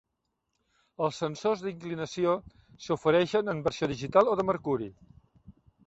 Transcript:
Els sensors d'inclinació s'ofereixen en versió digital o de mercuri.